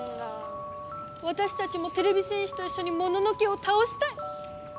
わたしたちもてれび戦士といっしょにモノノ家をたおしたい！